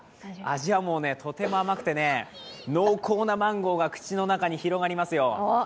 味はもうとても甘くてね、濃厚なマンゴーが口に広がりますよ。